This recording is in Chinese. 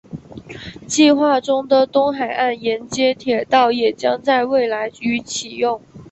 计划中的东海岸衔接铁道也将在未来于启用。